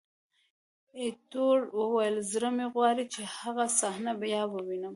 ایټور وویل: زړه مې غواړي چې هغه صحنه بیا ووینم.